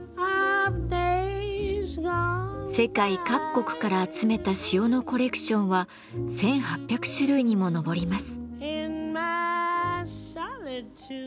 世界各国から集めた塩のコレクションは１，８００種類にも上ります。